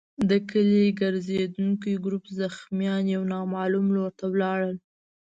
د کلي ګرزېدونکي ګروپ زخمیان يو نامعلوم لور ته وړل.